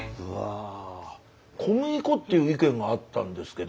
小麦粉っていう意見があったんですけど。